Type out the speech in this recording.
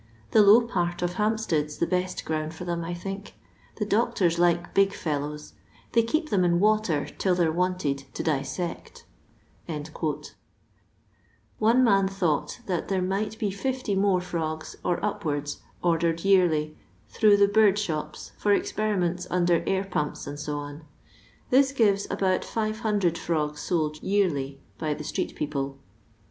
The low part of Hempstead 's the best ground for | them, I think. The doctors like big Mows. They I keep them in water 'til they 're wanted to dissect" I One man thonght that there might be 50 more I firogs or upwards ordered yearly, dirough the bird { •hope, for ezperimente under air pomps, &c This I gives abent 600 firogs sold yearly by the street ' people.